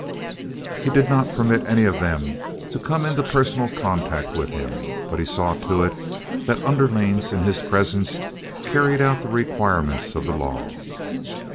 He did not permit any of them to come into personal contact with him, but he saw to it that underlings in his presence carried out the requirements of the law.